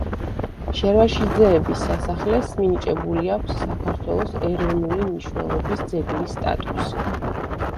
შერვაშიძეების სასახლეს მინიჭებული აქვს საქართველოს ეროვნული მნიშვნელობის ძეგლის სტატუსი.